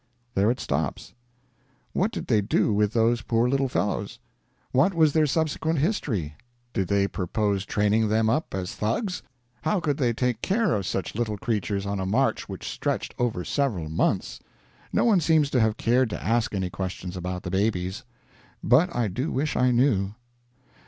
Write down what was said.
There it stops. What did they do with those poor little fellows? What was their subsequent history? Did they purpose training them up as Thugs? How could they take care of such little creatures on a march which stretched over several months? No one seems to have cared to ask any questions about the babies. But I do wish I knew.